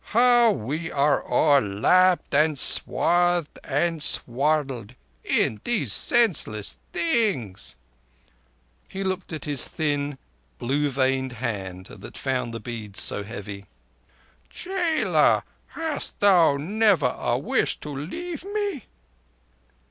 How, we are all lapped and swathed and swaddled in these senseless things." He looked at his thin blue veined hand that found the beads so heavy. "Chela, hast thou never a wish to leave me?"